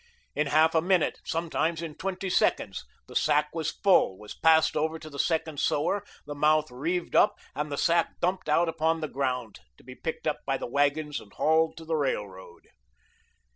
In half a minute sometimes in twenty seconds the sack was full, was passed over to the second sewer, the mouth reeved up, and the sack dumped out upon the ground, to be picked up by the wagons and hauled to the railroad.